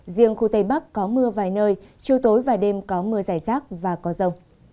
riêng khu tây bắc có mưa vài nơi chiều tối và đêm có mưa dài rác và có rồng